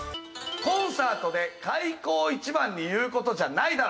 コンサートで開口一番に言う事じゃないだろ！